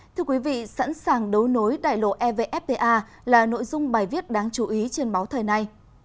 thưa quý vị sẵn sàng đấu nối đại lộ evfta là nội dung bài viết đáng chú ý trên báo thời nay